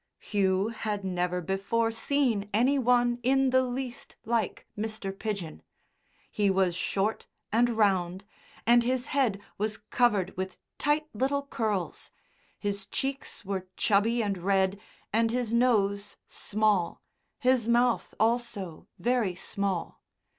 Hugh had never before seen any one in the least like Mr. Pidgen. He was short and round, and his head was covered with tight little curls. His cheeks were chubby and red and his nose small, his mouth also very small.